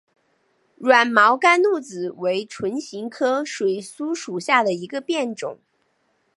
软毛甘露子为唇形科水苏属下的一个变种。